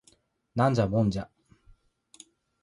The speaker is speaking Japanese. ナンジャモンジャ